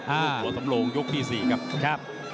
ลูกหัวสำโลงยกที่๔ครับ